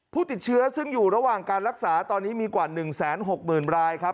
ผู้ติดเชื้อซึ่งอยู่ระหว่างการรักษาตอนนี้มีกว่า๑๖๐๐๐รายครับ